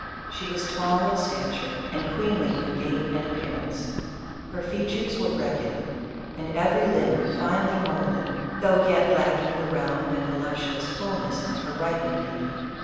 She was tall of stature, and queenly in gait and ap pearance. Her features were regular, and every limb finely moulded, though yet lacking the round and vo CLEOPATRA. 15 luptuous fullness of her ripened beauty.